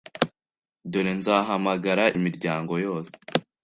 Dore nzahamagara imiryango yose